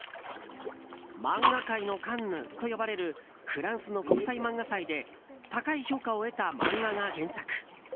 漫画界のカンヌと呼ばれるフランスの国際漫画祭で高い評価を得た漫画が原作。